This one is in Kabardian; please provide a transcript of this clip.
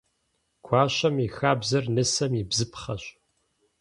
Гуащэм и хабзэр нысэм и бзыпхъэщ.